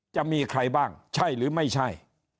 จะมีใครบ้างใช่หรือไม่ใช่